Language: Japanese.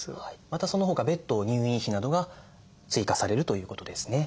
またそのほか別途入院費などが追加されるということですね。